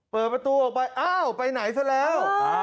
เปิดประตูออกไปอ้าวไปไหนซะแล้ว